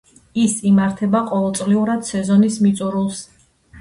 ის იმართება ყოველწლიურად სეზონის მიწურულს.